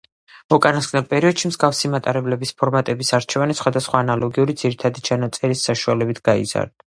უკანასკნელ პერიოდში მსგავსი მატარებლების ფორმატების არჩევანი სხვადასხვა ანალოგური ძირითადი ჩანაწერის საშუალებით გაიზარდა.